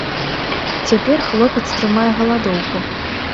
Цяпер хлопец трымае галадоўку.